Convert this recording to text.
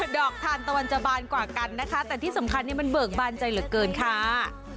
ดอกทานตะวันจะบานกว่ากันนะคะแต่ที่สำคัญมันเบิกบานใจเหลือเกินค่ะ